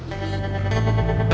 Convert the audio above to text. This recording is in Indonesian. tidak ada yang tahu